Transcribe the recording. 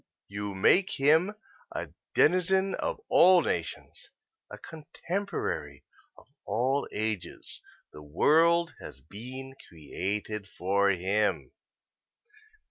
You make him a denizen of all nations, a contemporary of all ages. The world has been created for him."